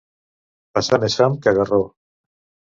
Passar més fam que Garró.